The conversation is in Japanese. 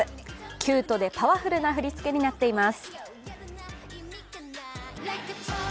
キュートでパワフルな振り付けになっています。